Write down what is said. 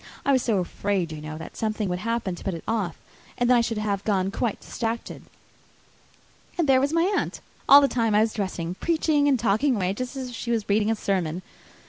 I was so afraid, you know, that something would happen to put it off, and then I should have gone quite distracted. And there was my aunt, all the time I was dressing, preaching and talking away just as if she was reading a sermon.